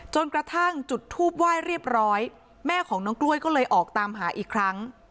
จนกระทั่งจุดทูปไหว้เรียบร้อยแม่ของน้องกล้วยก็เลยออกตามหาอีกครั้ง